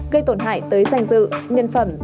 gây tổn hại tới danh dự nhân phẩm